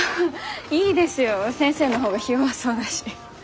いいですよ先生の方がひ弱そうだし。